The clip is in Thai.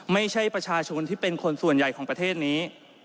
ไม่ใช่ประชาชนที่เป็นคนส่วนใหญ่ของประเทศนี้